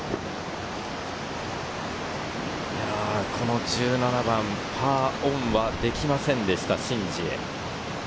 この１７番、パーオンはできませんでした、シン・ジエ。